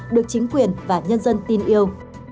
được chính quyền và nhân dân tin yêu